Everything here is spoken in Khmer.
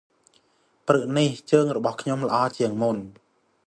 ព្រឹកនេះ ជើងរបស់ខ្ញុំល្អជាងមុន ។